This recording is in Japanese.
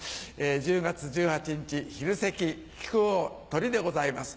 １０月１８日昼席木久扇トリでございます。